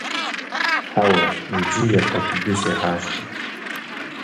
– Хьэуэ, иджы япэ дыдэу сегъащтэ.